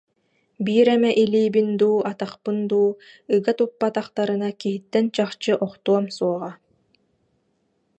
Биир эмэ илиибин дуу, атахпын дуу ыга туппатахтарына киһиттэн чахчы охтуом суоҕа»